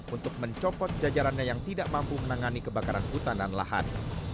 untuk mencopot jajarannya yang tidak mampu menangani kebakaran hutan dan lahan